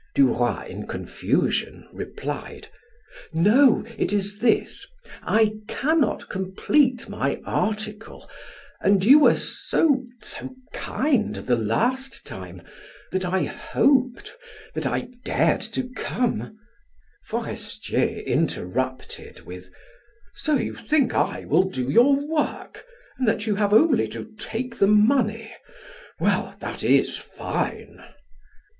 Duroy, in confusion, replied: "No, it is this: I cannot complete my article, and you were so so kind the last time that I hoped that I dared to come " Forestier interrupted with: "So you think I will do your work and that you have only to take the money. Well, that is fine!"